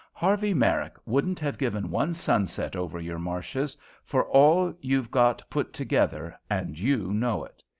Harvey Merrick wouldn't have given one sunset over your marshes for all you've got put together, and you know it.